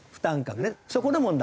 そこの問題。